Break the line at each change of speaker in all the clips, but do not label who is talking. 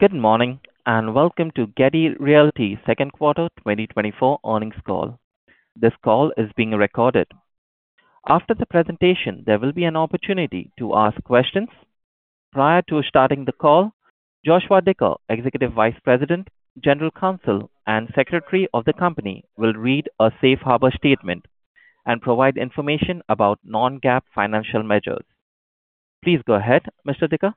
Good morning, and welcome to Getty Realty Second Quarter 2024 Earnings Call. This call is being recorded. After the presentation, there will be an opportunity to ask questions. Prior to starting the call, Joshua Dicker, Executive Vice President, General Counsel, and Secretary of the company, will read a safe harbor statement and provide information about non-GAAP financial measures. Please go ahead, Mr. Dicker.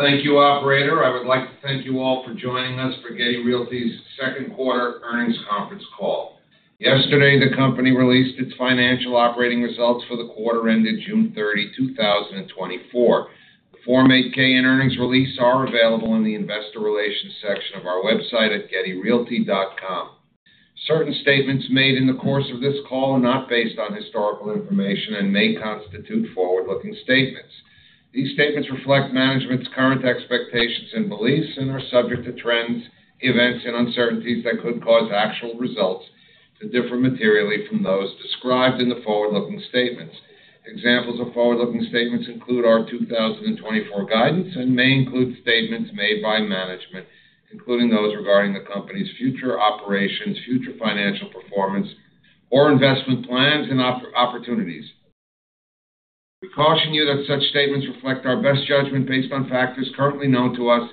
Thank you, operator. I would like to thank you all for joining us for Getty Realty's second quarter earnings conference call. Yesterday, the company released its financial operating results for the quarter ended June 30, 2024. The Form 8-K and earnings release are available in the investor relations section of our website at gettyrealty.com. Certain statements made in the course of this call are not based on historical information and may constitute forward-looking statements. These statements reflect management's current expectations and beliefs and are subject to trends, events, and uncertainties that could cause actual results to differ materially from those described in the forward-looking statements. Examples of forward-looking statements include our 2024 guidance and may include statements made by management, including those regarding the company's future operations, future financial performance, or investment plans and opportunities. We caution you that such statements reflect our best judgment based on factors currently known to us,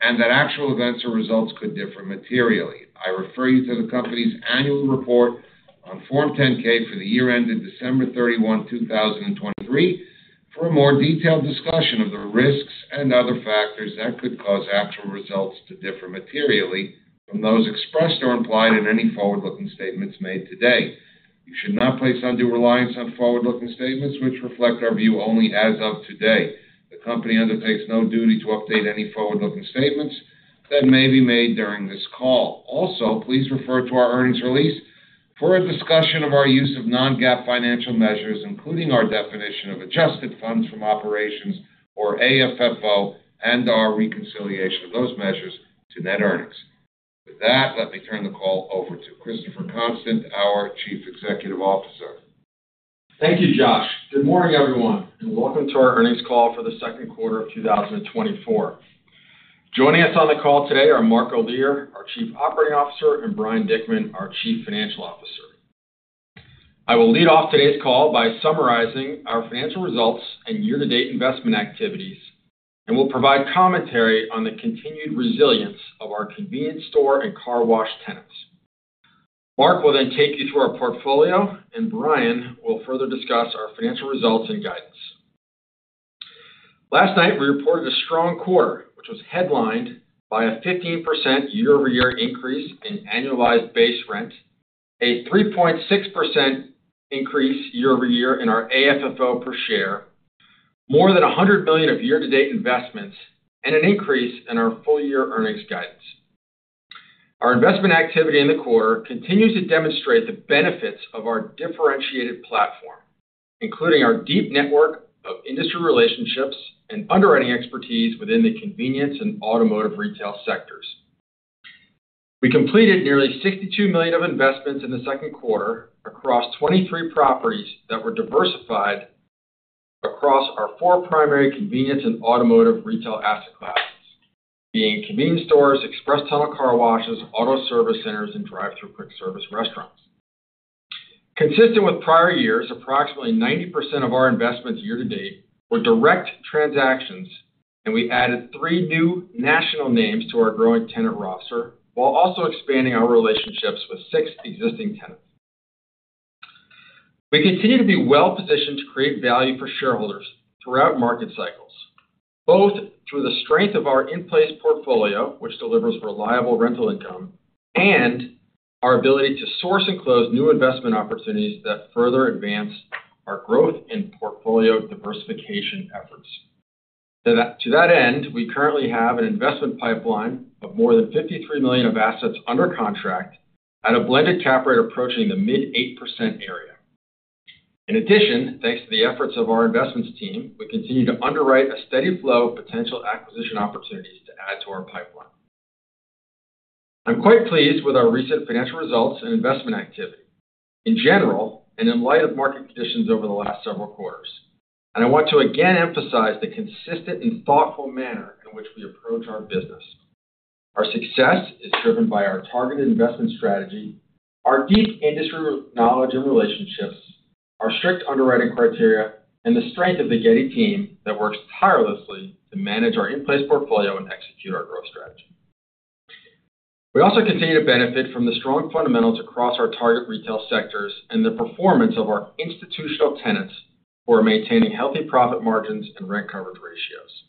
and that actual events or results could differ materially. I refer you to the company's annual report on Form 10-K for the year ended December 31, 2023, for a more detailed discussion of the risks and other factors that could cause actual results to differ materially from those expressed or implied in any forward-looking statements made today. You should not place undue reliance on forward-looking statements, which reflect our view only as of today. The company undertakes no duty to update any forward-looking statements that may be made during this call. Also, please refer to our earnings release for a discussion of our use of non-GAAP financial measures, including our definition of adjusted funds from operations or AFFO, and our reconciliation of those measures to net earnings. With that, let me turn the call over to Christopher Constant, our Chief Executive Officer.
Thank you, Josh. Good morning, everyone, and welcome to our earnings call for the second quarter of 2024. Joining us on the call today are Mark Olear, our Chief Operating Officer, and Brian Dickman, our Chief Financial Officer. I will lead off today's call by summarizing our financial results and year-to-date investment activities, and will provide commentary on the continued resilience of our convenience store and car wash tenants. Mark will then take you through our portfolio, and Brian will further discuss our financial results and guidance. Last night, we reported a strong quarter, which was headlined by a 15% year-over-year increase in annualized base rent, a 3.6% increase year-over-year in our AFFO per share, more than $100 million of year-to-date investments, and an increase in our full-year earnings guidance. Our investment activity in the quarter continues to demonstrate the benefits of our differentiated platform, including our deep network of industry relationships and underwriting expertise within the convenience and automotive retail sectors. We completed nearly $62 million of investments in the second quarter across 23 properties that were diversified across our four primary convenience and automotive retail asset classes, being convenience stores, express tunnel car washes, auto service centers, and drive-through quick service restaurants. Consistent with prior years, approximately 90% of our investments year to date were direct transactions, and we added three new national names to our growing tenant roster, while also expanding our relationships with six existing tenants. We continue to be well-positioned to create value for shareholders throughout market cycles, both through the strength of our in-place portfolio, which delivers reliable rental income, and our ability to source and close new investment opportunities that further advance our growth and portfolio diversification efforts. To that, to that end, we currently have an investment pipeline of more than $53 million of assets under contract at a blended cap rate approaching the mid-8% area. In addition, thanks to the efforts of our investments team, we continue to underwrite a steady flow of potential acquisition opportunities to add to our pipeline. I'm quite pleased with our recent financial results and investment activity in general and in light of market conditions over the last several quarters, and I want to again emphasize the consistent and thoughtful manner in which we approach our business. Our success is driven by our targeted investment strategy, our deep industry knowledge and relationships, our strict underwriting criteria, and the strength of the Getty team that works tirelessly to manage our in-place portfolio and execute our growth strategy. We also continue to benefit from the strong fundamentals across our target retail sectors and the performance of our institutional tenants, who are maintaining healthy profit margins and rent coverage ratios.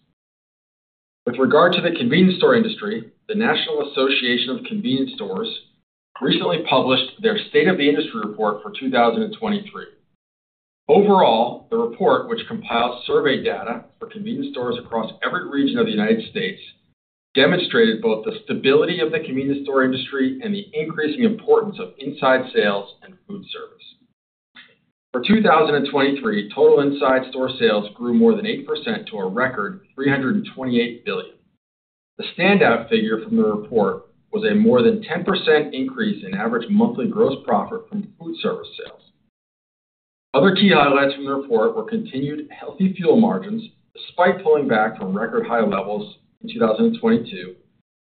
With regard to the convenience store industry, the National Association of Convenience Stores recently published their State of the Industry Report for 2023. Overall, the report, which compiles survey data for convenience stores across every region of the United States, demonstrated both the stability of the convenience store industry and the increasing importance of inside sales and food service. For 2023, total inside store sales grew more than 8% to a record $328 billion. The standout figure from the report was a more than 10% increase in average monthly gross profit from food service sales.... Other key highlights from the report were continued healthy fuel margins, despite pulling back from record high levels in 2022,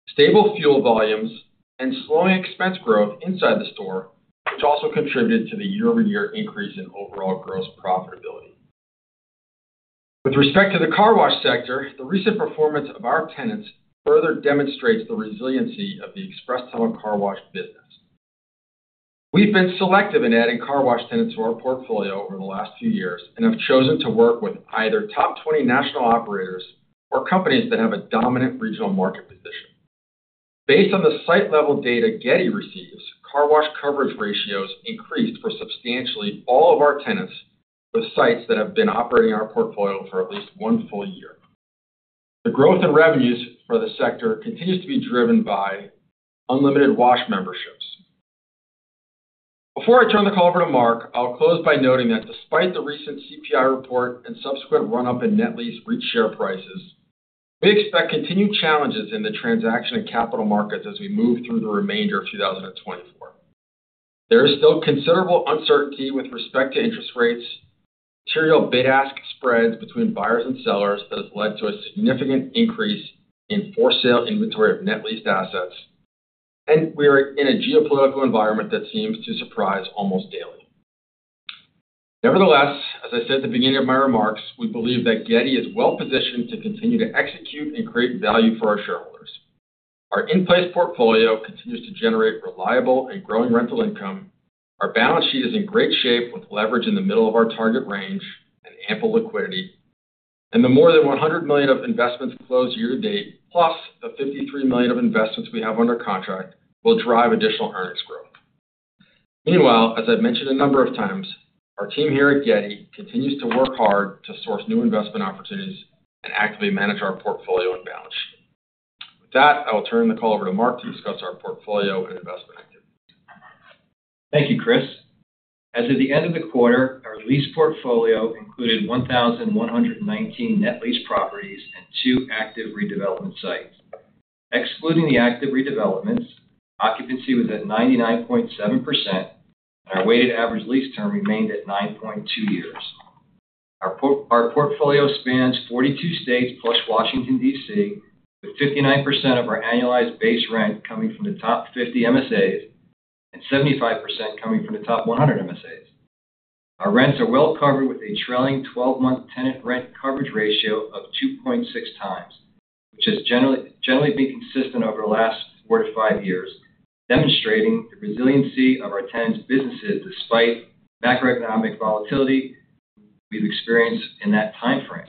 stable fuel volumes, and slowing expense growth inside the store, which also contributed to the year-over-year increase in overall gross profitability. With respect to the car wash sector, the recent performance of our tenants further demonstrates the resiliency of the express tunnel car wash business. We've been selective in adding car wash tenants to our portfolio over the last few years, and have chosen to work with either top 20 national operators or companies that have a dominant regional market position. Based on the site-level data Getty receives, car wash coverage ratios increased for substantially all of our tenants, with sites that have been operating in our portfolio for at least one full year. The growth in revenues for the sector continues to be driven by unlimited wash memberships. Before I turn the call over to Mark, I'll close by noting that despite the recent CPI report and subsequent run-up in net lease REIT share prices, we expect continued challenges in the transaction and capital markets as we move through the remainder of 2024. There is still considerable uncertainty with respect to interest rates, material bid-ask spreads between buyers and sellers that has led to a significant increase in for-sale inventory of net leased assets, and we are in a geopolitical environment that seems to surprise almost daily. Nevertheless, as I said at the beginning of my remarks, we believe that Getty is well positioned to continue to execute and create value for our shareholders. Our in-place portfolio continues to generate reliable and growing rental income. Our balance sheet is in great shape, with leverage in the middle of our target range and ample liquidity, and the more than $100 million of investments closed year-to-date, plus the $53 million of investments we have under contract, will drive additional earnings growth. Meanwhile, as I've mentioned a number of times, our team here at Getty continues to work hard to source new investment opportunities and actively manage our portfolio and balance sheet. With that, I will turn the call over to Mark to discuss our portfolio and investment activity.
Thank you, Chris. As of the end of the quarter, our lease portfolio included 1,119 net lease properties and 2 active redevelopment sites. Excluding the active redevelopments, occupancy was at 99.7%, and our weighted average lease term remained at 9.2 years. Our portfolio spans 42 states plus Washington, D.C., with 59% of our annualized base rent coming from the top 50 MSAs, and 75% coming from the top 100 MSAs. Our rents are well covered, with a trailing 12-month tenant rent coverage ratio of 2.6 times, which has generally been consistent over the last 4-5 years, demonstrating the resiliency of our tenants' businesses despite macroeconomic volatility we've experienced in that timeframe.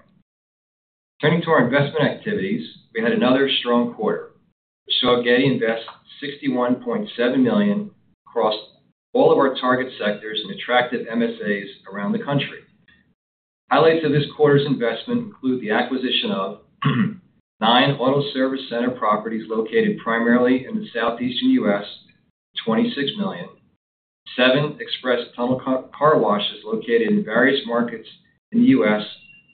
Turning to our investment activities, we had another strong quarter, which saw Getty invest $61.7 million across all of our target sectors in attractive MSAs around the country. Highlights of this quarter's investment include the acquisition of nine auto service center properties located primarily in the southeastern U.S., $26 million. Seven express tunnel car washes located in various markets in the U.S.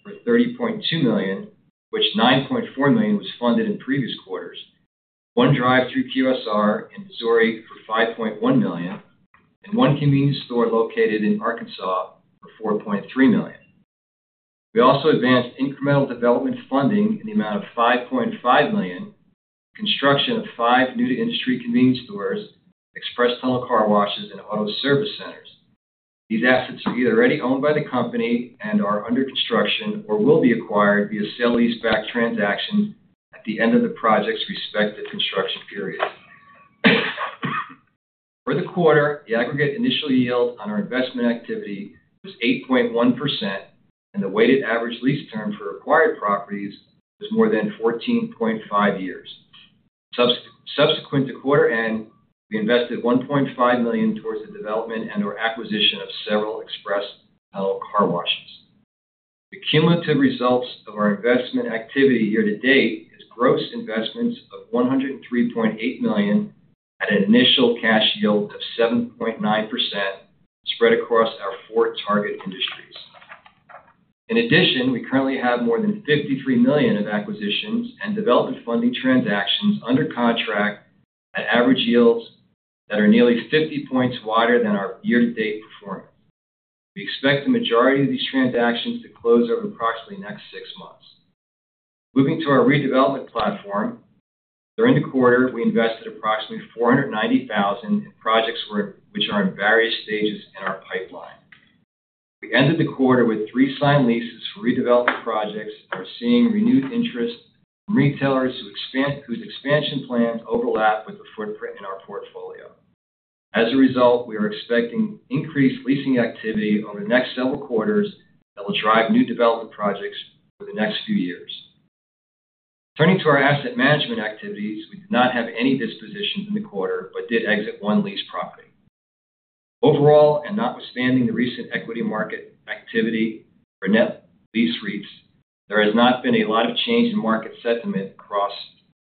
for $30.2 million, which $9.4 million was funded in previous quarters. One drive-through QSR in Missouri for $5.1 million, and one convenience store located in Arkansas for $4.3 million. We also advanced incremental development funding in the amount of $5.5 million, construction of five new-to-industry convenience stores, express tunnel car washes, and auto service centers. These assets are either already owned by the company and are under construction or will be acquired via sale-leaseback transaction at the end of the project's respective construction period. For the quarter, the aggregate initial yield on our investment activity was 8.1%, and the weighted average lease term for acquired properties was more than 14.5 years. Subsequent to quarter end, we invested $1.5 million towards the development and/or acquisition of several express tunnel car washes. The cumulative results of our investment activity year to date is gross investments of $103.8 million, at an initial cash yield of 7.9%, spread across our 4 target industries. In addition, we currently have more than $53 million of acquisitions and development funding transactions under contract at average yields that are nearly 50 points wider than our year-to-date performance. We expect the majority of these transactions to close over the approximately next six months. Moving to our redevelopment platform. During the quarter, we invested approximately $490,000 in projects which are in various stages in our pipeline. We ended the quarter with 3 signed leases for redevelopment projects and are seeing renewed interest from retailers whose expansion plans overlap with the footprint in our portfolio. As a result, we are expecting increased leasing activity over the next several quarters that will drive new development projects for the next few years. Turning to our asset management activities, we did not have any dispositions in the quarter, but did exit one lease property. Overall, notwithstanding the recent equity market activity for net lease REITs, there has not been a lot of change in market sentiment across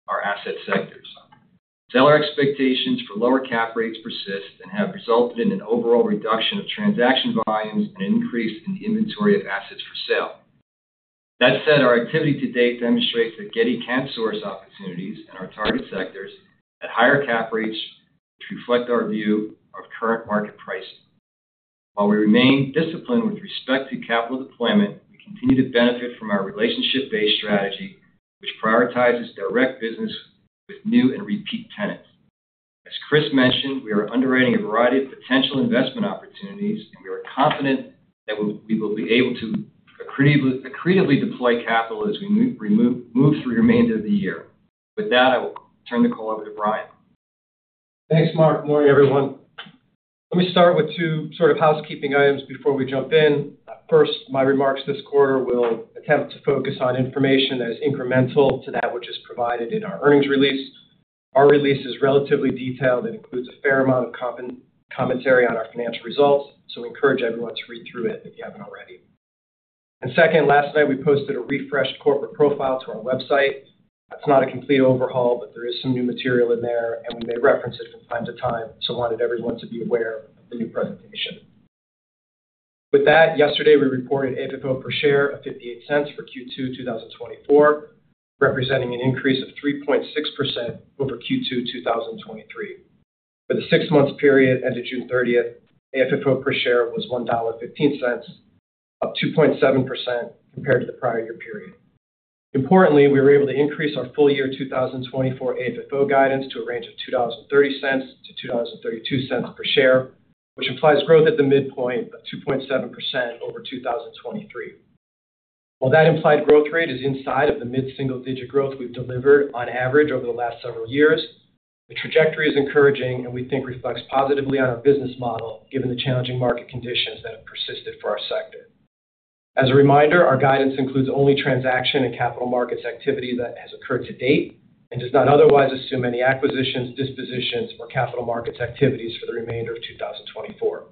our asset sectors. Seller expectations for lower cap rates persist and have resulted in an overall reduction of transaction volumes and an increase in the inventory of assets for sale. That said, our activity to date demonstrates that Getty can source opportunities in our target sectors at higher cap rates, which reflect our view of current market pricing. While we remain disciplined with respect to capital deployment, we continue to benefit from our relationship-based strategy, which prioritizes direct business with new and repeat tenants. As Chris mentioned, we are underwriting a variety of potential investment opportunities, and we are confident that we will be able to accretively deploy capital as we move through the remainder of the year. With that, I will turn the call over to Brian.
Thanks, Mark. Morning, everyone. Let me start with two sort of housekeeping items before we jump in. First, my remarks this quarter will attempt to focus on information that is incremental to that which is provided in our earnings release. Our release is relatively detailed and includes a fair amount of commentary on our financial results, so we encourage everyone to read through it if you haven't already. And second, last night, we posted a refreshed corporate profile to our website. That's not a complete overhaul, but there is some new material in there, and we may reference it from time to time, so wanted everyone to be aware of the new presentation. With that, yesterday, we reported AFFO per share of $0.58 for Q2 2024, representing an increase of 3.6% over Q2 2023. For the six-month period ended June 30th, AFFO per share was $1.15, up 2.7% compared to the prior year period. Importantly, we were able to increase our full year 2024 AFFO guidance to a range of $2.30-$2.32 per share, which implies growth at the midpoint of 2.7% over 2023. While that implied growth rate is inside of the mid-single digit growth we've delivered on average over the last several years, the trajectory is encouraging and we think reflects positively on our business model, given the challenging market conditions that have persisted for our sector. As a reminder, our guidance includes only transaction and capital markets activity that has occurred to date and does not otherwise assume any acquisitions, dispositions, or capital markets activities for the remainder of 2024.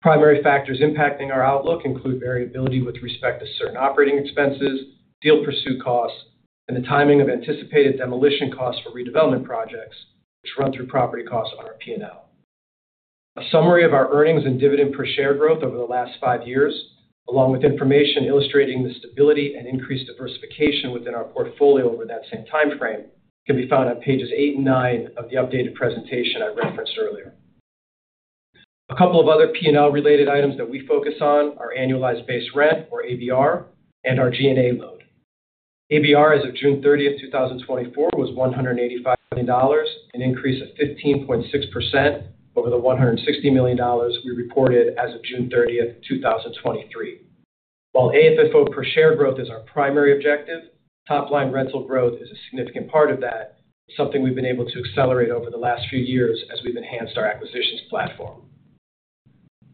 Primary factors impacting our outlook include variability with respect to certain operating expenses, deal pursuit costs, and the timing of anticipated demolition costs for redevelopment projects, which run through property costs on our P&L. A summary of our earnings and dividend per share growth over the last 5 years, along with information illustrating the stability and increased diversification within our portfolio over that same time frame, can be found on pages 8 and 9 of the updated presentation I referenced earlier. A couple of other P&L-related items that we focus on are annualized base rent, or ABR, and our G&A load. ABR, as of June 30th, 2024, was $185 million, an increase of 15.6% over the $160 million we reported as of June 30th, 2023. While AFFO per share growth is our primary objective, top-line rental growth is a significant part of that, something we've been able to accelerate over the last few years as we've enhanced our acquisitions platform.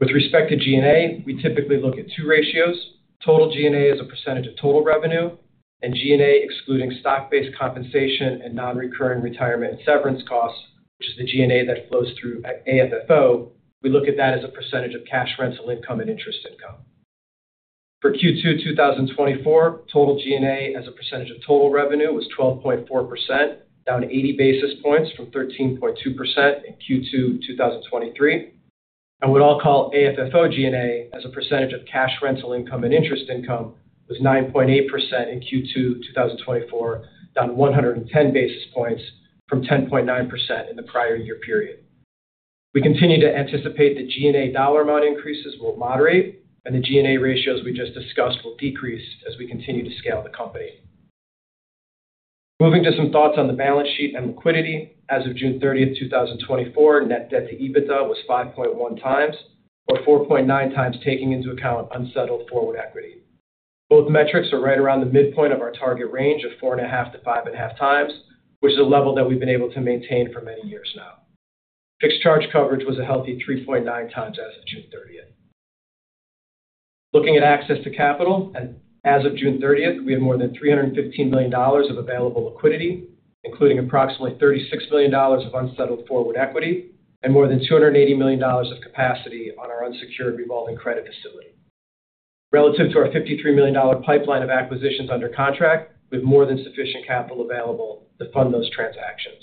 With respect to G&A, we typically look at two ratios: total G&A as a percentage of total revenue, and G&A, excluding stock-based compensation and non-recurring retirement and severance costs, which is the G&A that flows through at AFFO. We look at that as a percentage of cash rental income and interest income. For Q2 2024, total G&A as a percentage of total revenue was 12.4%, down 80 basis points from 13.2% in Q2 2023. I'd also call AFFO G&A as a percentage of cash rental income and interest income was 9.8% in Q2 2024, down 110 basis points from 10.9% in the prior year period. We continue to anticipate that G&A dollar amount increases will moderate, and the G&A ratios we just discussed will decrease as we continue to scale the company. Moving to some thoughts on the balance sheet and liquidity. As of June 30th, 2024, net debt to EBITDA was 5.1 times, or 4.9 times, taking into account unsettled forward equity. Both metrics are right around the midpoint of our target range of 4.5-5.5 times, which is a level that we've been able to maintain for many years now. Fixed charge coverage was a healthy 3.9 times as of June 30th. Looking at access to capital, and as of June 30th, we had more than $315 million of available liquidity, including approximately $36 million of unsettled forward equity and more than $280 million of capacity on our unsecured revolving credit facility. Relative to our $53 million pipeline of acquisitions under contract, with more than sufficient capital available to fund those transactions.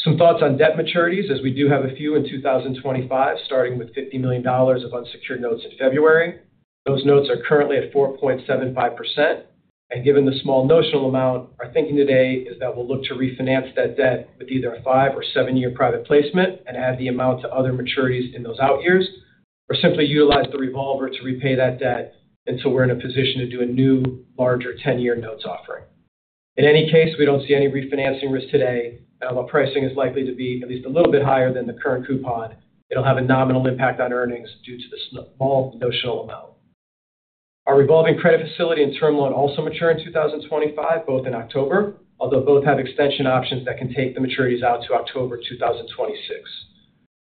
Some thoughts on debt maturities, as we do have a few in 2025, starting with $50 million of unsecured notes in February. Those notes are currently at 4.75%, and given the small notional amount, our thinking today is that we'll look to refinance that debt with either a 5- or 7-year private placement and add the amount to other maturities in those out years, or simply utilize the revolver to repay that debt until we're in a position to do a new, larger 10-year notes offering. In any case, we don't see any refinancing risk today. And while pricing is likely to be at least a little bit higher than the current coupon, it'll have a nominal impact on earnings due to the small notional amount. Our revolving credit facility and term loan also mature in 2025, both in October, although both have extension options that can take the maturities out to October 2026.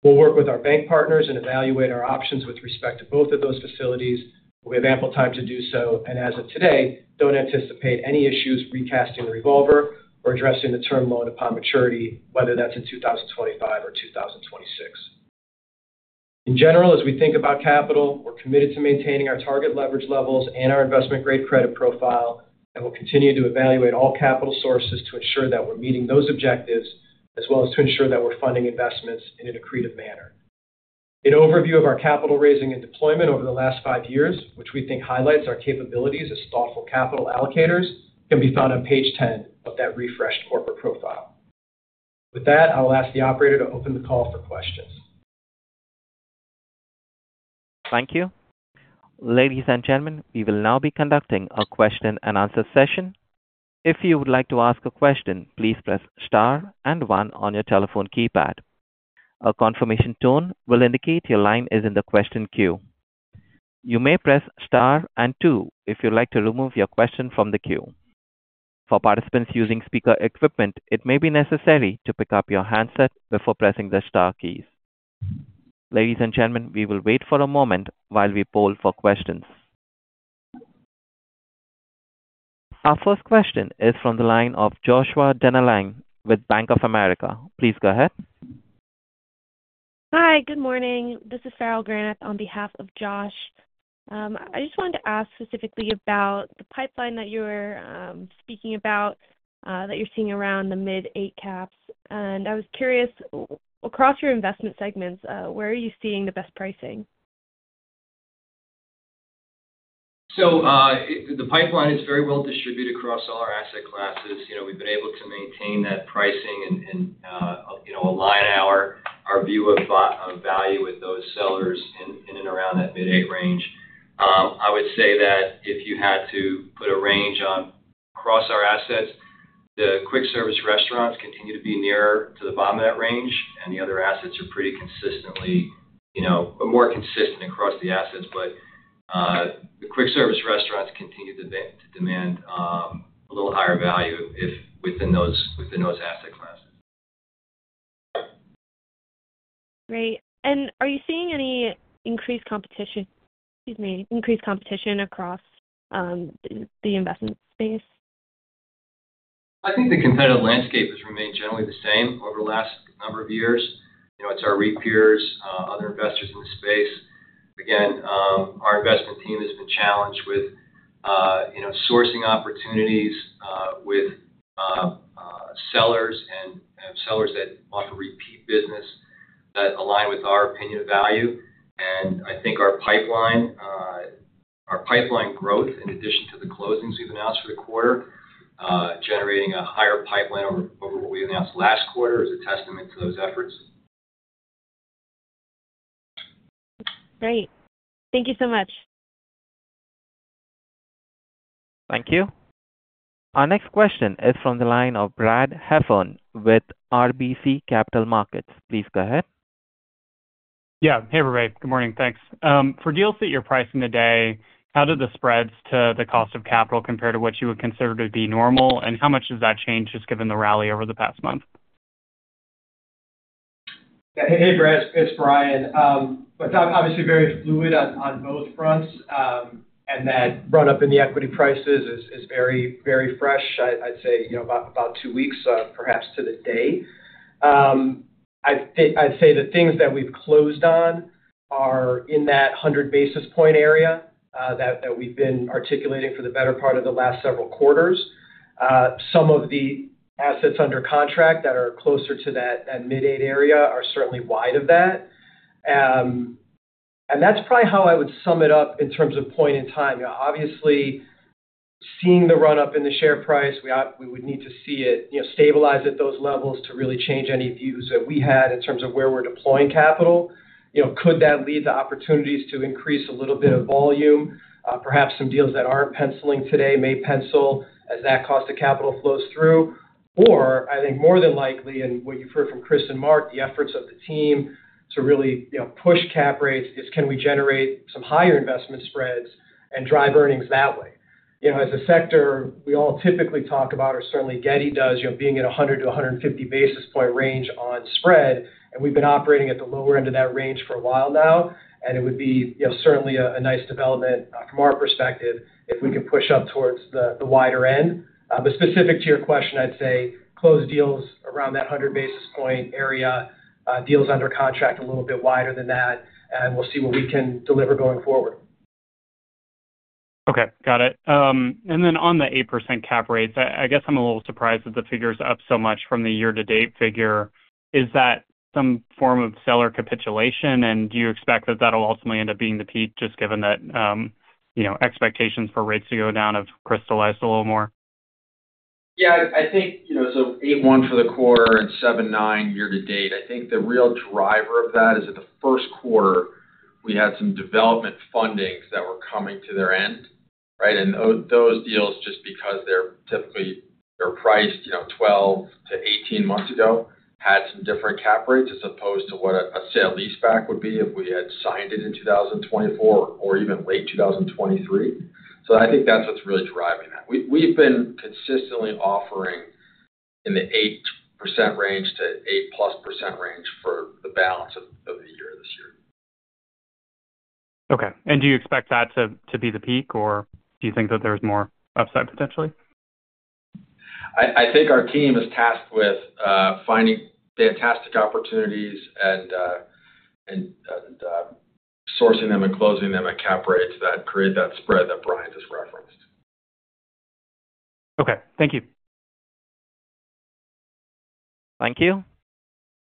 We'll work with our bank partners and evaluate our options with respect to both of those facilities. We have ample time to do so, and as of today, don't anticipate any issues recasting the revolver or addressing the term loan upon maturity, whether that's in 2025 or 2026. In general, as we think about capital, we're committed to maintaining our target leverage levels and our investment-grade credit profile, and we'll continue to evaluate all capital sources to ensure that we're meeting those objectives, as well as to ensure that we're funding investments in an accretive manner.... An overview of our capital raising and deployment over the last five years, which we think highlights our capabilities as thoughtful capital allocators, can be found on page 10 of that refreshed corporate profile. With that, I will ask the operator to open the call for questions.
Thank you. Ladies and gentlemen, we will now be conducting a question-and-answer session. If you would like to ask a question, please press star and one on your telephone keypad. A confirmation tone will indicate your line is in the question queue. You may press star and two if you'd like to remove your question from the queue. For participants using speaker equipment, it may be necessary to pick up your handset before pressing the star keys. Ladies and gentlemen, we will wait for a moment while we poll for questions. Our first question is from the line of Joshua Dennerlein with Bank of America. Please go ahead.
Hi, good morning. This is Farrell Granath on behalf of Josh. I just wanted to ask specifically about the pipeline that you were speaking about, that you're seeing around the mid-eight caps. I was curious, across your investment segments, where are you seeing the best pricing?
So, the pipeline is very well distributed across all our asset classes. You know, we've been able to maintain that pricing and, you know, align our view of value with those sellers in and around that mid-eight range. I would say that if you had to put a range on across our assets, the quick service restaurants continue to be nearer to the bottom of that range, and the other assets are pretty consistently, you know, more consistent across the assets. But, the quick service restaurants continue to demand a little higher value if within those asset classes.
Great. Are you seeing any increased competition, excuse me, increased competition across, the investment space?
I think the competitive landscape has remained generally the same over the last number of years. You know, it's our REIT peers, other investors in the space. Again, our investment team has been challenged with, you know, sourcing opportunities, with sellers and sellers that want to repeat business that align with our opinion of value. I think our pipeline, our pipeline growth, in addition to the closings we've announced for the quarter, generating a higher pipeline over what we announced last quarter, is a testament to those efforts.
Great. Thank you so much.
Thank you. Our next question is from the line of Brad Heffern with RBC Capital Markets. Please go ahead.
Yeah. Hey, everybody. Good morning, thanks. For deals that you're pricing today, how do the spreads to the cost of capital compare to what you would consider to be normal? And how much does that change, just given the rally over the past month?
Hey, Brad, it's Brian. But obviously very fluid on both fronts. And that run-up in the equity prices is very, very fresh. I'd say, you know, about 2 weeks, perhaps to the day. I'd say the things that we've closed on are in that 100 basis point area, that we've been articulating for the better part of the last several quarters. Some of the assets under contract that are closer to that mid-eight area are certainly wide of that. And that's probably how I would sum it up in terms of point in time. You know, obviously, seeing the run-up in the share price, we would need to see it, you know, stabilize at those levels to really change any views that we had in terms of where we're deploying capital. You know, could that lead to opportunities to increase a little bit of volume? Perhaps some deals that aren't penciling today may pencil as that cost of capital flows through. Or, I think more than likely, and what you've heard from Chris and Mark, the efforts of the team to really, you know, push cap rates is, can we generate some higher investment spreads and drive earnings that way? You know, as a sector, we all typically talk about, or certainly Getty does, you know, being at a 100-150 basis point range on spread, and we've been operating at the lower end of that range for a while now, and it would be, you know, certainly a nice development from our perspective if we can push up towards the wider end. But specific to your question, I'd say closed deals around that 100 basis points area, deals under contract a little bit wider than that, and we'll see what we can deliver going forward.
Okay, got it. And then on the 8% cap rates, I guess I'm a little surprised that the figure is up so much from the year-to-date figure. Is that some form of seller capitulation, and do you expect that that'll ultimately end up being the peak, just given that, you know, expectations for rates to go down have crystallized a little more?
Yeah, I think, you know, so 8.1% for the quarter and 7.9% year to date. I think the real driver of that is that the first quarter, we had some development fundings that were coming to their end, right? And those deals, just because they're typically, they're priced, you know, 12-18 months ago, had some different cap rates as opposed to what a sale-leaseback would be if we had signed it in 2024 or even late 2023. So I think that's what's really driving that. We, we've been consistently offering in the 8% range to 8%+ range for the balance of the year, this year.
Okay. And do you expect that to be the peak, or do you think that there's more upside potentially?
I think our team is tasked with finding fantastic opportunities and sourcing them and closing them at cap rates that create that spread that Brian just referenced.
Okay, thank you.
Thank you.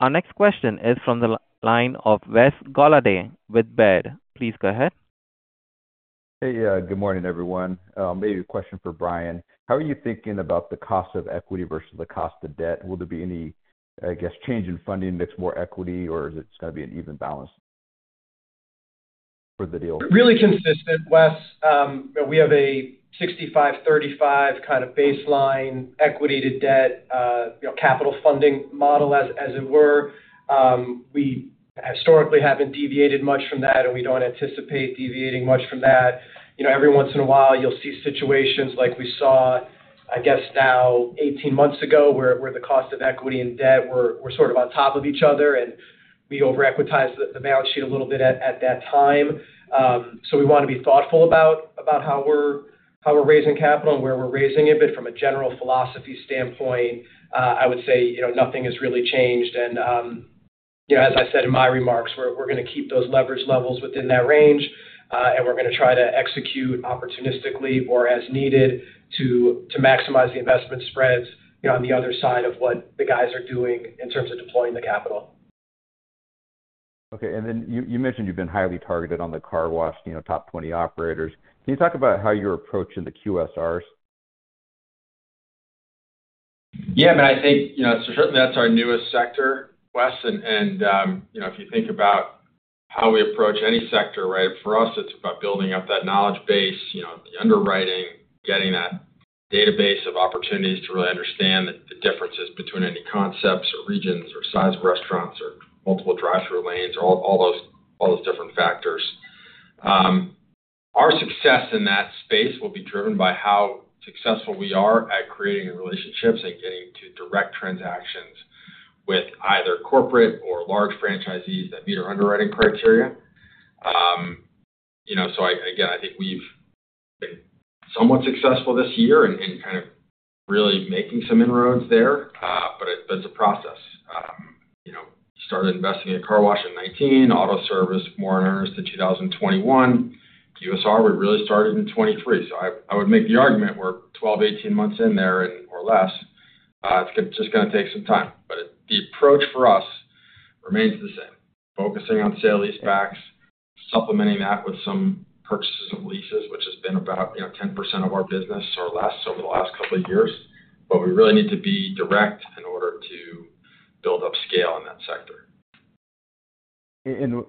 Our next question is from the line of Wes Golladay with Baird. Please go ahead.
Hey, good morning, everyone. Maybe a question for Brian. How are you thinking about the cost of equity versus the cost of debt? Will there be any, I guess, change in funding mix, more equity, or is it gonna be an even balance for the deal?...
Really consistent, Wes. We have a 65-35 kind of baseline equity to debt, you know, capital funding model, as it were. We historically haven't deviated much from that, and we don't anticipate deviating much from that. You know, every once in a while, you'll see situations like we saw, I guess now 18 months ago, where the cost of equity and debt were sort of on top of each other, and we over-equitized the balance sheet a little bit at that time. So we wanna be thoughtful about how we're raising capital and where we're raising it. But from a general philosophy standpoint, I would say, you know, nothing has really changed. You know, as I said in my remarks, we're gonna keep those leverage levels within that range, and we're gonna try to execute opportunistically or as needed to maximize the investment spreads, you know, on the other side of what the guys are doing in terms of deploying the capital.
Okay. And then you, you mentioned you've been highly targeted on the car wash, you know, top 20 operators. Can you talk about how you're approaching the QSRs?
Yeah, I mean, I think, you know, so certainly that's our newest sector, Wes. And, you know, if you think about how we approach any sector, right, for us, it's about building up that knowledge base, you know, the underwriting, getting that database of opportunities to really understand the differences between any concepts or regions or size of restaurants or multiple drive-through lanes, or all those different factors. Our success in that space will be driven by how successful we are at creating relationships and getting to direct transactions with either corporate or large franchisees that meet our underwriting criteria. You know, so I, again, I think we've been somewhat successful this year in kind of really making some inroads there. But it's a process. You know, started investing in car wash in 2019, auto service more in earnest in 2021. QSR, we really started in 2023. So I, I would make the argument we're 12-18 months in there and more or less, it's just gonna take some time. But it, the approach for us remains the same: focusing on sale-leasebacks, supplementing that with some purchases of leases, which has been about, you know, 10% of our business or less over the last couple of years, but we really need to be direct in order to build up scale in that sector.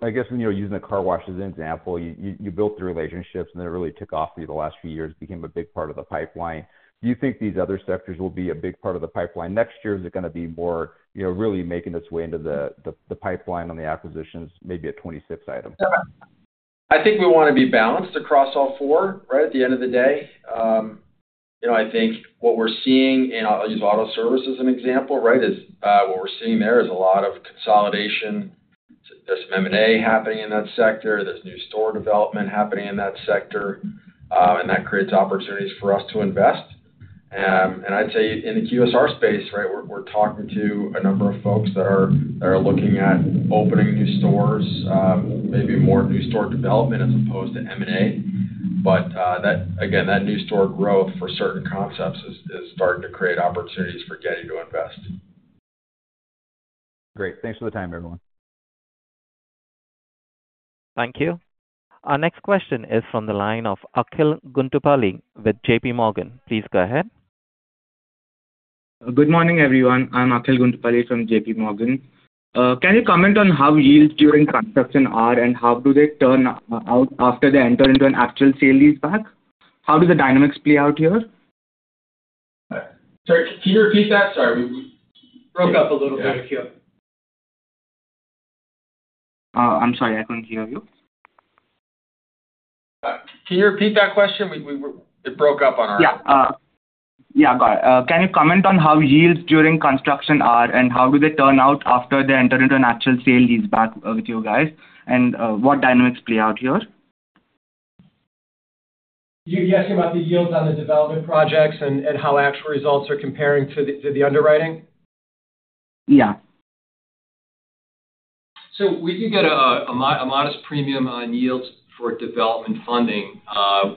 I guess when you're using a car wash as an example, you built the relationships, and then it really took off through the last few years, became a big part of the pipeline. Do you think these other sectors will be a big part of the pipeline next year? Is it gonna be more, you know, really making its way into the pipeline on the acquisitions, maybe a 26 item?
Yeah. I think we wanna be balanced across all four, right? At the end of the day. You know, I think what we're seeing in... I'll use auto service as an example, right, is what we're seeing there is a lot of consolidation. There's some M&A happening in that sector, there's new store development happening in that sector, and that creates opportunities for us to invest. And I'd say in the QSR space, right, we're talking to a number of folks that are looking at opening new stores, maybe more new store development as opposed to M&A. But, that again, that new store growth for certain concepts is starting to create opportunities for getting to invest.
Great. Thanks for the time, everyone.
Thank you. Our next question is from the line of Akhil Guntupalli with JPMorgan. Please go ahead.
Good morning, everyone. I'm Akhil Guntupalli from JPMorgan. Can you comment on how yields during construction are, and how do they turn out after they enter into an actual sale-leaseback? How do the dynamics play out here?
Sorry, can you repeat that? Sorry, we broke up a little bit, Akhil.
I'm sorry, I couldn't hear you.
Can you repeat that question? We were. It broke up on our end.
Yeah, yeah, got it. Can you comment on how yields during construction are, and how do they turn out after they enter into an actual sale-leaseback with you guys? What dynamics play out here?
You're asking about the yields on the development projects and how actual results are comparing to the underwriting?
Yeah.
So we do get a modest premium on yields for development funding.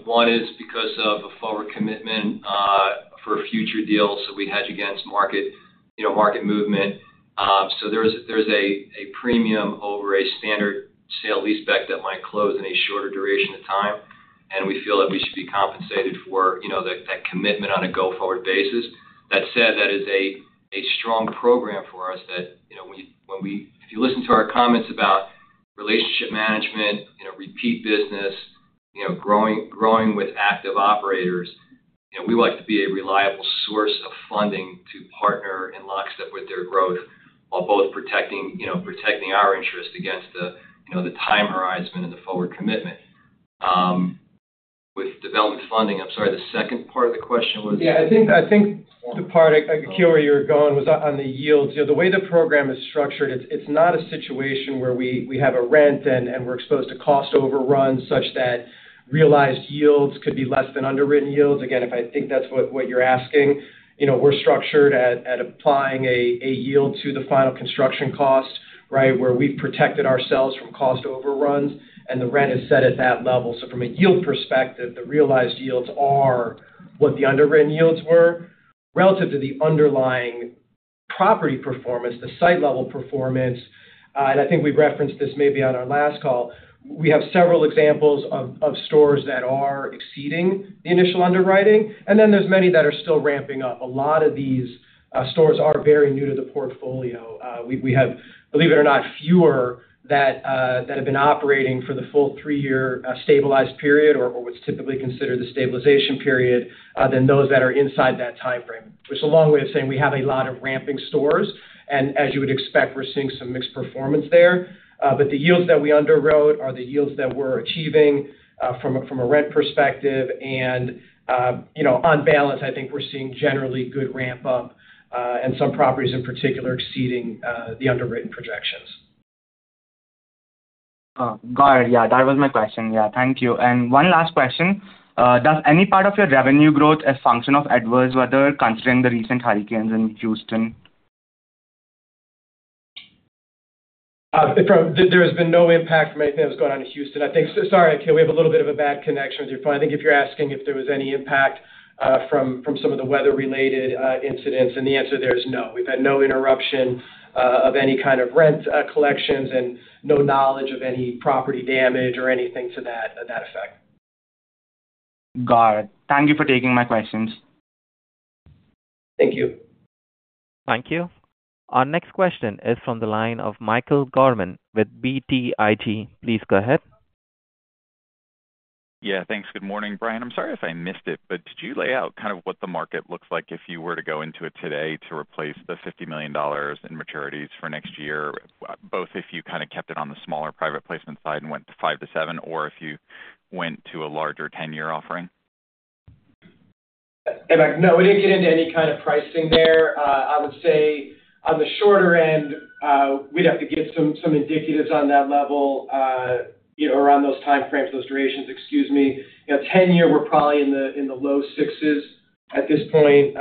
One is because of a forward commitment for future deals that we hedge against market, you know, market movement. So there is a premium over a standard sale-leaseback that might close in a shorter duration of time, and we feel that we should be compensated for, you know, that commitment on a go-forward basis. That said, that is a strong program for us that, you know, if you listen to our comments about relationship management, you know, repeat business, you know, growing with active operators, you know, we like to be a reliable source of funding to partner in lockstep with their growth, while both protecting, you know, our interest against the, you know, the time horizon and the forward commitment. With development funding, I'm sorry, the second part of the question was?
Yeah, I think, I think the part, Akhil, where you were going was on the yields. You know, the way the program is structured, it's not a situation where we have a rent and we're exposed to cost overruns such that realized yields could be less than underwritten yields. Again, if I think that's what you're asking, you know, we're structured at applying a yield to the final construction cost. Right, where we've protected ourselves from cost overruns, and the rent is set at that level. So from a yield perspective, the realized yields are what the underwritten yields were. Relative to the underlying property performance, the site level performance, and I think we've referenced this maybe on our last call, we have several examples of stores that are exceeding the initial underwriting, and then there's many that are still ramping up. A lot of these stores are very new to the portfolio. We have, believe it or not, fewer that have been operating for the full three-year stabilized period or what's typically considered the stabilization period than those that are inside that timeframe. Which is a long way of saying we have a lot of ramping stores, and as you would expect, we're seeing some mixed performance there. But the yields that we underwrote are the yields that we're achieving from a rent perspective. You know, on balance, I think we're seeing generally good ramp up, and some properties in particular exceeding the underwritten projections.
Oh, got it. Yeah, that was my question. Yeah, thank you. And one last question. Does any part of your revenue growth a function of adverse weather, considering the recent hurricanes in Houston?
There has been no impact from anything that was going on in Houston. I think. Sorry, can we have a little bit of a bad connection with you? But I think if you're asking if there was any impact from some of the weather-related incidents, and the answer there is no. We've had no interruption of any kind of rent collections and no knowledge of any property damage or anything to that effect.
Got it. Thank you for taking my questions.
Thank you.
Thank you. Our next question is from the line of Michael Gorman with BTIG. Please go ahead.
Yeah, thanks. Good morning, Brian. I'm sorry if I missed it, but did you lay out kind of what the market looks like if you were to go into it today to replace the $50 million in maturities for next year, both if you kind of kept it on the smaller private placement side and went to 5-7, or if you went to a larger 10-year offering?
No, we didn't get into any kind of pricing there. I would say on the shorter end, we'd have to get some indicatives on that level, you know, around those time frames, those durations, excuse me. You know, 10-year, we're probably in the low sixes at this point.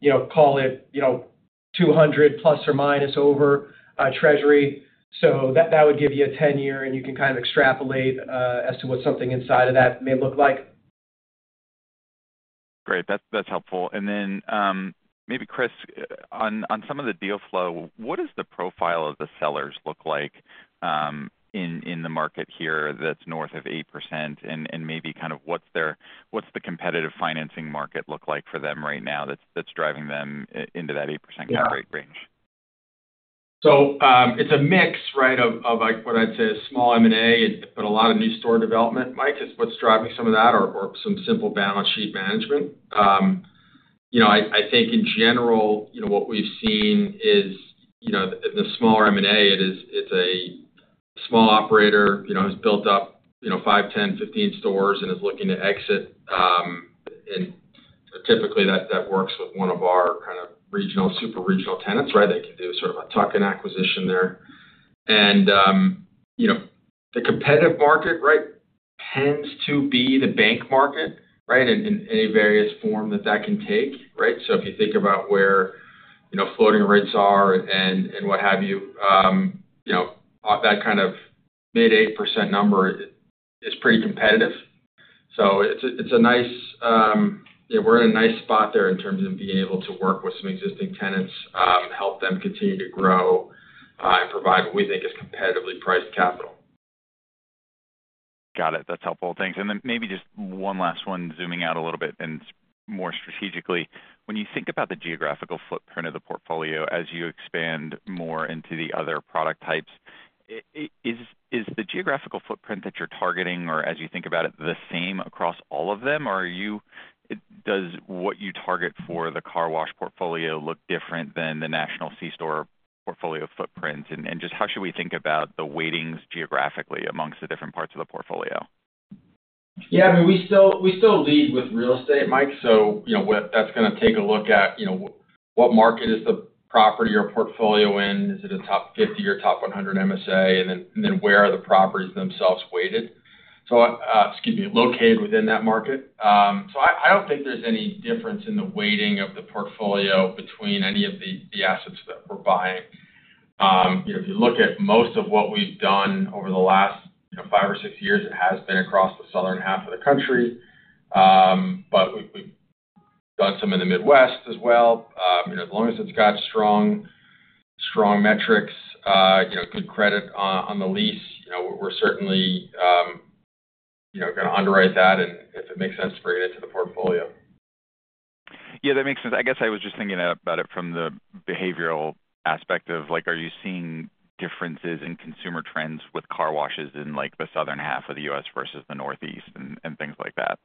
You know, call it 200 ± over Treasury. So that would give you a 10-year, and you can kind of extrapolate as to what something inside of that may look like.
Great, that's helpful. And then, maybe, Chris, on some of the deal flow, what does the profile of the sellers look like in the market here that's north of 8%? And maybe kind of what's their-- what's the competitive financing market look like for them right now that's driving them into that 8% cap rate range?
Yeah. So, it's a mix, right, of, of, like what I'd say, a small M&A, but a lot of new store development, Mike, is what's driving some of that or, or some simple balance sheet management. You know, I, I think in general, you know, what we've seen is, you know, the smaller M&A, it is—it's a small operator, you know, has built up, you know, 5, 10, 15 stores and is looking to exit. And typically, that, that works with one of our kind of regional, super regional tenants, right? They can do sort of a tuck-in acquisition there. And, you know, the competitive market, right, tends to be the bank market, right, in, in any various form that that can take, right? So if you think about where, you know, floating rates are and what have you, you know, off that kind of mid-8% number is pretty competitive. So it's a nice... Yeah, we're in a nice spot there in terms of being able to work with some existing tenants, help them continue to grow, and provide what we think is competitively priced capital.
Got it. That's helpful. Thanks. And then maybe just one last one, zooming out a little bit and more strategically. When you think about the geographical footprint of the portfolio as you expand more into the other product types, is, is the geographical footprint that you're targeting, or as you think about it, the same across all of them? Or does what you target for the car wash portfolio look different than the national C-store portfolio footprint? And, and just how should we think about the weightings geographically amongst the different parts of the portfolio?
Yeah, I mean, we still, we still lead with real estate, Mike. So, you know, what, that's gonna take a look at, you know, what market is the property or portfolio in? Is it a top 50 or top 100 MSA? And then, and then where are the properties themselves weighted? So, excuse me, located within that market. So I, I don't think there's any difference in the weighting of the portfolio between any of the, the assets that we're buying. You know, if you look at most of what we've done over the last, you know, five or six years, it has been across the southern half of the country. But we've, we've done some in the Midwest as well. You know, as long as it's got strong, strong metrics, you know, good credit on the lease, you know, we're certainly, you know, gonna underwrite that, and if it makes sense to bring it into the portfolio.
Yeah, that makes sense. I guess I was just thinking about it from the behavioral aspect of, like, are you seeing differences in consumer trends with car washes in, like, the southern half of the U.S. versus the Northeast and, and things like that?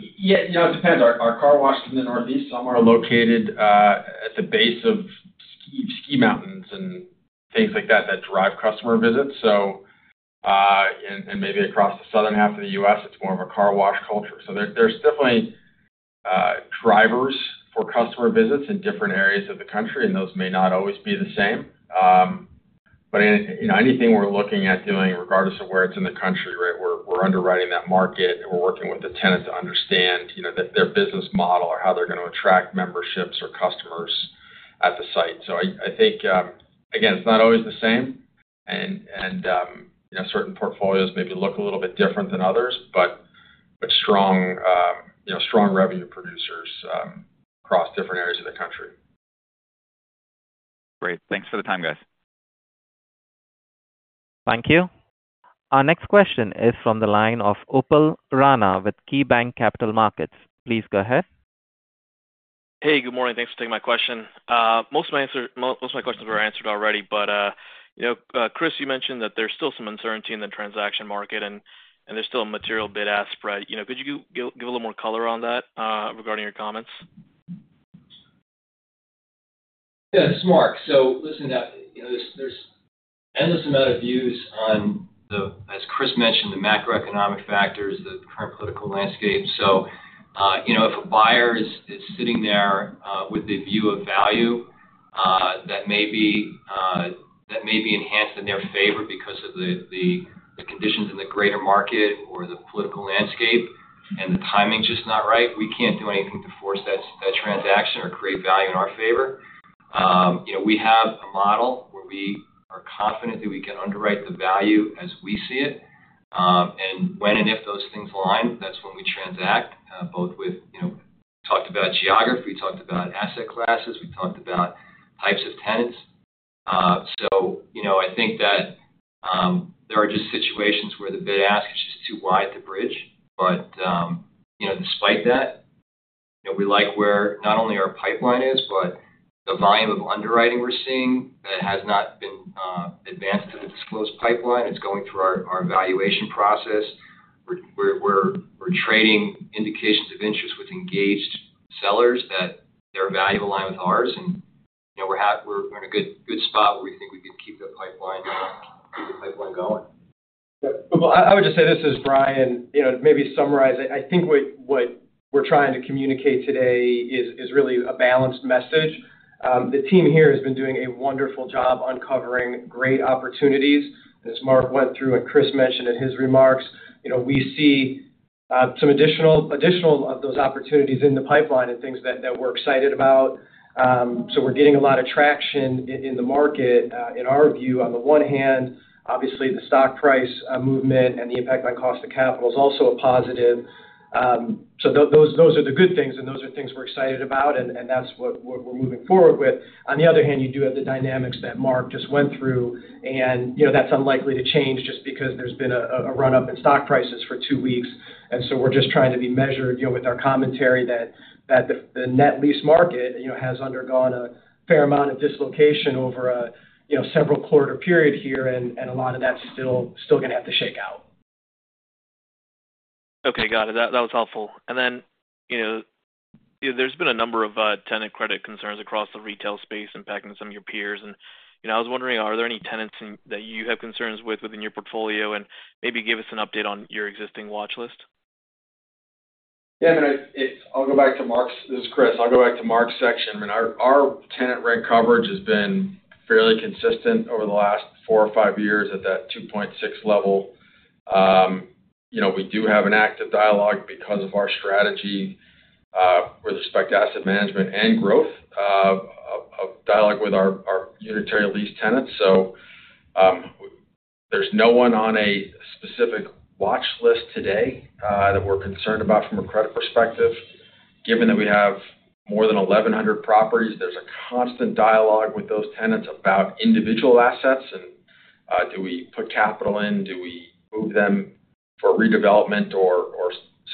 Yeah, you know, it depends. Our car washes in the Northeast, some are located at the base of ski mountains and things like that, that drive customer visits. So... And maybe across the southern half of the U.S., it's more of a car wash culture. So there's definitely drivers for customer visits in different areas of the country, and those may not always be the same. But any, you know, anything we're looking at doing, regardless of where it's in the country, right? We're underwriting that market, and we're working with the tenant to understand, you know, that their business model or how they're going to attract memberships or customers at the site. So, I think, again, it's not always the same, and you know, certain portfolios maybe look a little bit different than others, but strong, you know, strong revenue producers across different areas of the country.
Great. Thanks for the time, guys.
Thank you. Our next question is from the line of Upal Rana with KeyBanc Capital Markets. Please go ahead.
Hey, good morning. Thanks for taking my question. Most of my questions were answered already, but, you know, Chris, you mentioned that there's still some uncertainty in the transaction market, and there's still a material bid-ask spread. You know, could you give a little more color on that, regarding your comments?
Yeah, this is Mark. So listen, you know, there's an endless amount of views on the... As Chris mentioned, the macroeconomic factors, the current political landscape. So, you know, if a buyer is sitting there with a view of value that may be enhanced in their favor because of the conditions in the greater market or the political landscape, and the timing's just not right, we can't do anything to force that transaction or create value in our favor. You know, we have a model where we are confident that we can underwrite the value as we see it. And when and if those things align, that's when we transact, both with, you know, we talked about geography, we talked about asset classes, we talked about types of tenants. So, you know, I think that there are just situations where the bid-ask is just too wide to bridge. But, you know, despite that, you know, we like where not only our pipeline is, but the volume of underwriting we're seeing that has not been advanced to the disclosed pipeline. It's going through our valuation process, where we're trading indications of interest with engaged sellers, that their value align with ours, and, you know, we're in a good, good spot where we think we could keep the pipeline going, keep the pipeline going.
Yeah. Well, I would just say, this is Brian, you know, to maybe summarize, I think what we're trying to communicate today is really a balanced message. The team here has been doing a wonderful job uncovering great opportunities. As Mark went through and Chris mentioned in his remarks, you know, we see some additional of those opportunities in the pipeline and things that we're excited about. So we're getting a lot of traction in the market in our view. On the one hand, obviously, the stock price movement and the impact on cost of capital is also a positive. So those are the good things, and those are things we're excited about, and that's what we're moving forward with. On the other hand, you do have the dynamics that Mark just went through, and, you know, that's unlikely to change just because there's been a run-up in stock prices for two weeks. And so we're just trying to be measured, you know, with our commentary that the net lease market, you know, has undergone a fair amount of dislocation over a several quarter period here, and a lot of that's still gonna have to shake out.
Okay, got it. That, that was helpful. And then, you know, there's been a number of tenant credit concerns across the retail space impacting some of your peers. And, you know, I was wondering, are there any tenants in that you have concerns with within your portfolio? And maybe give us an update on your existing watchlist.
Yeah, I mean, it's. This is Chris. I'll go back to Mark's section. I mean, our tenant rent coverage has been fairly consistent over the last four or five years at that 2.6 level. You know, we do have an active dialogue because of our strategy with respect to asset management and growth, dialogue with our unitary lease tenants. So, there's no one on a specific watchlist today that we're concerned about from a credit perspective. Given that we have more than 1,100 properties, there's a constant dialogue with those tenants about individual assets, and do we put capital in, do we move them for redevelopment or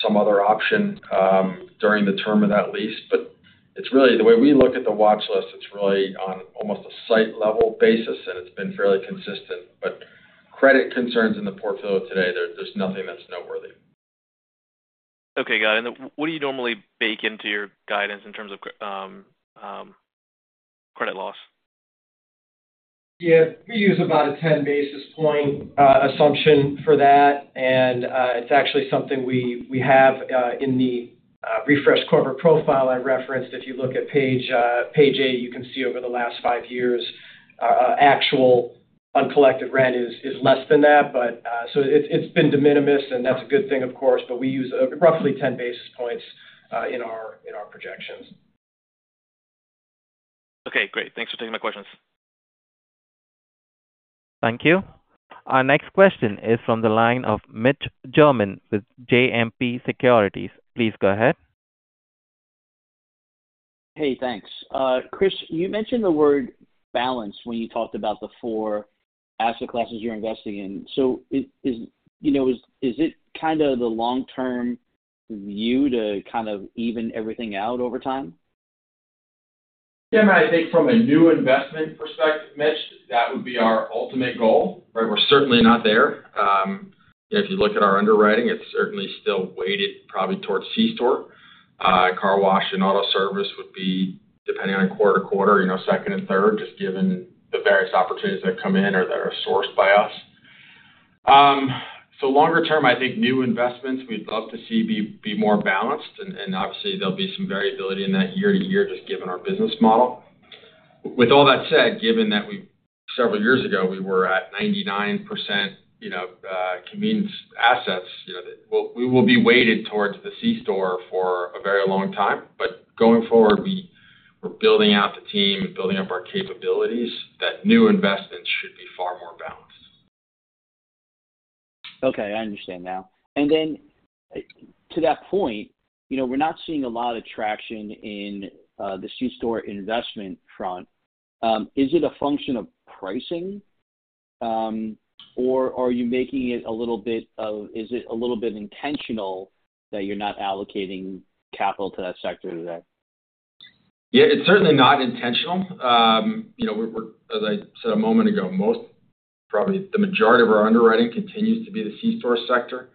some other option during the term of that lease? But it's really the way we look at the watchlist, it's really on almost a site-level basis, and it's been fairly consistent. But credit concerns in the portfolio today, there's nothing that's noteworthy.
Okay, got it. What do you normally bake into your guidance in terms of credit loss?
Yeah, we use about a 10 basis point assumption for that, and it's actually something we have in the refreshed corporate profile I referenced. If you look at page 8, you can see over the last 5 years actual uncollected rent is less than that. But so it, it's been de minimis, and that's a good thing, of course, but we use roughly 10 basis points in our projections.
Okay, great. Thanks for taking my questions.
Thank you. Our next question is from the line of Mitch Germain with JMP Securities. Please go ahead.
Hey, thanks. Chris, you mentioned the word balance when you talked about the four asset classes you're investing in. So is it, you know, kind of the long-term view to kind of even everything out over time?
Yeah, I think from a new investment perspective, Mitch, that would be our ultimate goal, right? We're certainly not there. If you look at our underwriting, it's certainly still weighted probably towards C-store. Car wash and auto service would be depending on quarter to quarter, you know, second and third, just given the various opportunities that come in or that are sourced by us. So longer term, I think new investments we'd love to see be, be more balanced, and, and obviously, there'll be some variability in that year to year, just given our business model. With all that said, given that we, several years ago, we were at 99%, you know, convenience assets, you know, we, we will be weighted towards the C-store for a very long time. But going forward, we're building out the team and building up our capabilities, that new investments should be far more balanced.
Okay, I understand now. And then, to that point, you know, we're not seeing a lot of traction in the C-store investment front. Is it a function of pricing? Or is it a little bit intentional that you're not allocating capital to that sector today?
Yeah, it's certainly not intentional. You know, we're-- as I said a moment ago, most, probably the majority of our underwriting continues to be the C-store sector.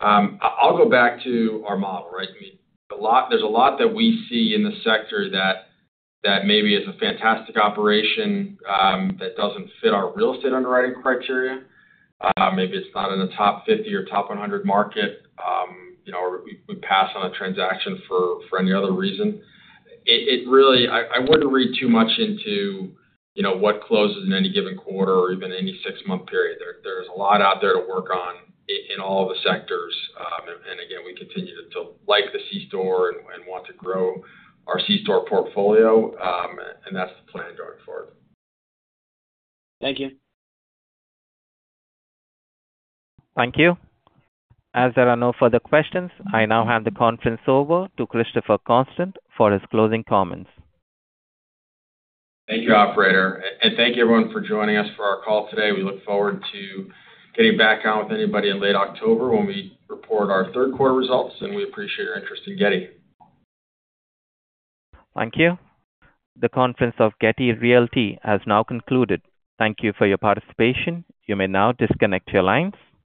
I'll go back to our model, right? I mean, a lot-- there's a lot that we see in the sector that maybe is a fantastic operation that doesn't fit our real estate underwriting criteria. Maybe it's not in the top 50 or top 100 market, you know, or we pass on a transaction for any other reason. It really... I wouldn't read too much into, you know, what closes in any given quarter or even any six-month period. There's a lot out there to work on in all the sectors. And again, we continue to like the C-store and want to grow our C-store portfolio, and that's the plan going forward.
Thank you.
Thank you. As there are no further questions, I now hand the conference over to Christopher Constant for his closing comments.
Thank you, operator. And thank you, everyone, for joining us for our call today. We look forward to getting back on with anybody in late October when we report our third quarter results, and we appreciate your interest in Getty.
Thank you. The conference of Getty Realty has now concluded. Thank you for your participation. You may now disconnect your lines.